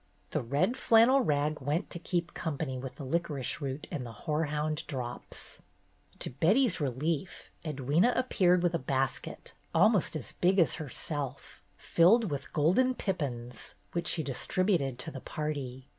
The red flannel rag went to keep company with the licorice root and the hoarhound drops. To Betty's relief, Edwyna appeared with a basket, almost as big as herself, filled with golden pippins, which she distributed to the party.